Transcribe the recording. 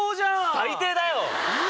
最低だよ！